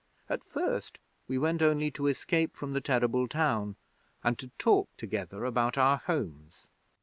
At first we went only to escape from the terrible town, and to talk together about our homes.